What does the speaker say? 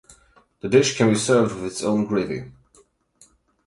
The dish can be served with its own gravy.